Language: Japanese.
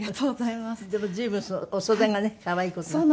でも随分そのお袖がね可愛い事になって。